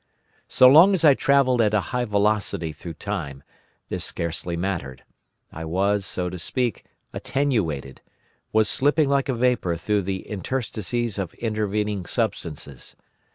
So long as I travelled at a high velocity through time, this scarcely mattered: I was, so to speak, attenuated—was slipping like a vapour through the interstices of intervening substances!